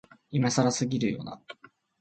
今更すぎるよな、